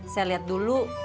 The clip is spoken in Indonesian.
saya liat dulu